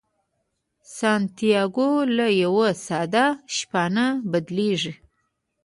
سانتیاګو له یوه ساده شپانه بدلیږي.